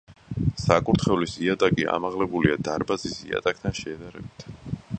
საკურთხევლის იატაკი ამაღლებულია დარბაზის იატაკთან შედარებით.